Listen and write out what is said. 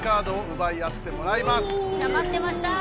まってました！